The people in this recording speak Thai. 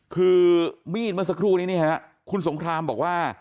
คือมีดเมื่อสักครู่นี้นี่ฮะคุณสงครามบอกว่า